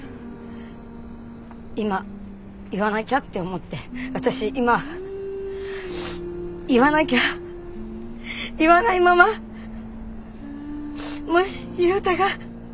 今言わなきゃって思って私今言わなきゃ言わないままもし雄太がって思って。